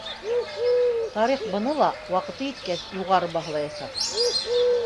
Тарих быны ла, ваҡыты еткәс, юғары баһалаясаҡ